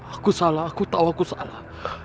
aku salah aku tahu aku salah